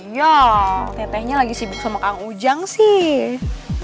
yuk tetehnya lagi sibuk sama kang ujang sih